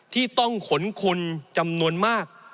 ที่ต้องขนคนจำนวนมาก